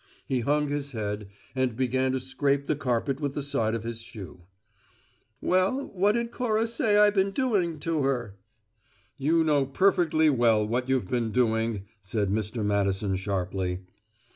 He hung his head and began to scrape the carpet with the side of his shoe. "Well, what'd Cora say I been doing to her?" "You know perfectly well what you've been doing," said Mr. Madison sharply.